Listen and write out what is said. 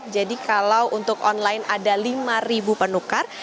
jadi kalau untuk online ada lima penukar